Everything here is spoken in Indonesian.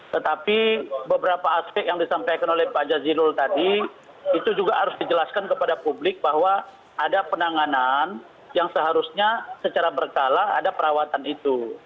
tetapi beberapa aspek yang disampaikan oleh pak jazilul tadi itu juga harus dijelaskan kepada publik bahwa ada penanganan yang seharusnya secara berkala ada perawatan itu